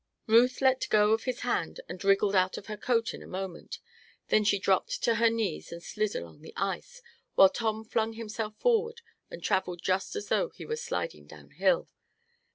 Ruth let go of his hand and wriggled out of her coat in a moment. Then she dropped to her knees and slid along the ice, while Tom flung himself forward and traveled just as though he were sliding down hill.